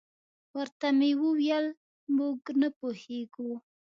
ورته مې وویل: موږ نه پوهېږو.